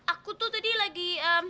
aku tuh tadi lagi